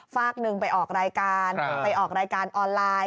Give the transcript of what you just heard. ฝากหนึ่งไปออกรายการไปออกรายการออนไลน์